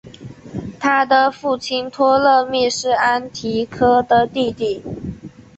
他的父亲托勒密是安提柯的弟弟。